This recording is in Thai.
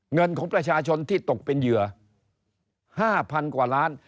เงินของประชาชนที่ตกเป็นเหยื่อ๕๐๐๐กว่าล้าน